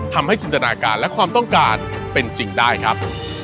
ทำให้จินตนาการและความต้องการเป็นจริงได้ครับ